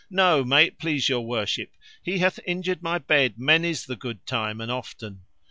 No, may it please your worship, he hath injured my bed many's the good time and often.